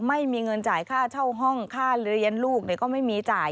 ไม่มีเงินจ่ายค่าเช่าห้องค่าเรียนลูกก็ไม่มีจ่าย